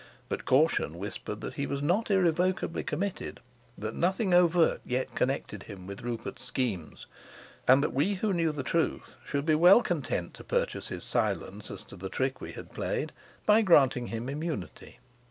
But caution whispered that he was not irrevocably committed, that nothing overt yet connected him with Rupert's schemes, and that we who knew the truth should be well content to purchase his silence as to the trick we had played by granting him immunity.